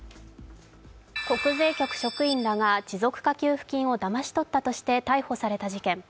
国税局職員らが持続化給付金をだまし取ったとして逮捕された事件。